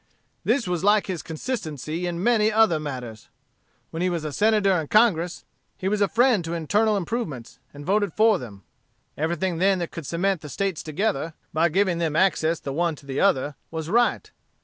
"This was like his consistency in many other matters. When he was a Senator in Congress, he was a friend to internal improvements, and voted for them. Everything then that could cement the States together, by giving them access the one to the other, was right.